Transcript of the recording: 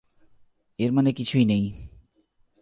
এর মানে কিছুই নেই।